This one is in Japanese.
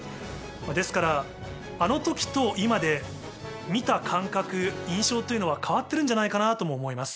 ですからあの時と今で見た感覚印象というのは変わってるんじゃないかなとも思います。